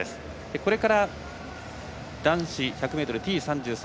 これから男子１００ｍ、Ｔ３３